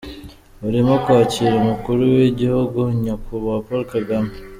Barimo kwakira umukuru w'igihugu Nyakubahwa Paul Kagame.